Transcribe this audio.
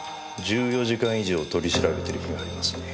１４時間以上取り調べてる日がありますね。